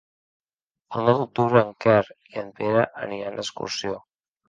El nou d'octubre en Quer i en Pere aniran d'excursió.